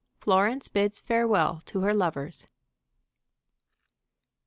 FLORENCE BIDS FAREWELL TO HER LOVERS.